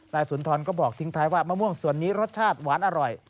สุนทรก็บอกทิ้งท้ายว่ามะม่วงส่วนนี้รสชาติหวานอร่อย